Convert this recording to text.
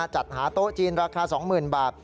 จัดหาโต๊ะจีนราคา๒๐๐๐บาท